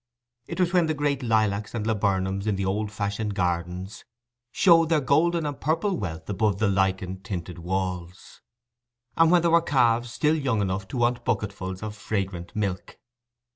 It was when the great lilacs and laburnums in the old fashioned gardens showed their golden and purple wealth above the lichen tinted walls, and when there were calves still young enough to want bucketfuls of fragrant milk.